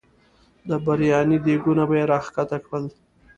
د بریاني دیګونه به یې را ښکته کړل.